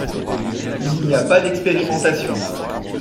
Il n’y a pas d’expérimentation